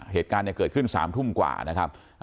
เหตุการณ์เนี่ยเกิดขึ้นสามทุ่มกว่านะครับอ่า